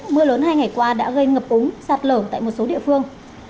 mưa lớn hai ngày qua đã gây ngập úng sạt lở tại một số địa phương